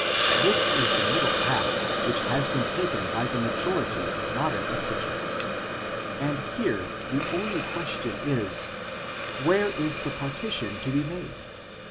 This is the middle path which has been taken by the majority of modern exegetists, and here the only question is: where is the partition to be made?